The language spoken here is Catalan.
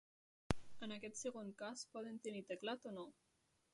En aquest segon cas poden tenir teclat o no.